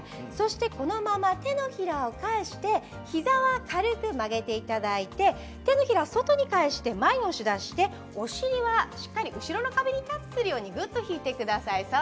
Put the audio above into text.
このまま手のひらを返して膝は軽く曲げていただいて手のひらを外に出して前に押し出してお尻はしっかり後ろの壁にタッチするように引いてください。